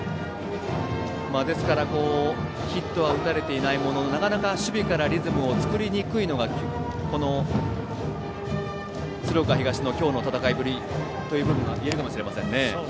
ですからヒットは打たれていないもののなかなか守備からリズムを作りにくいのが鶴岡東の今日の戦いぶりといえるかもしれませんね。